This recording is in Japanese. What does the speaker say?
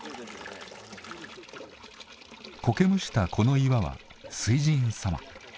こけむしたこの岩は水神様。